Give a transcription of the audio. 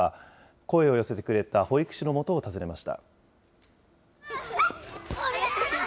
声を寄せてくれた保育士のもとを訪ねました。